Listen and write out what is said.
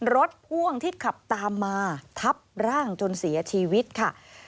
พ่วงที่ขับตามมาทับร่างจนเสียชีวิตค่ะ